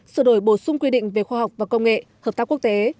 sửa đổi bổ sung quy định về khoa học và công nghệ hợp tác quốc tế